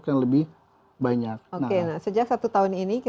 yang lebih banyak sejak satu tahun ini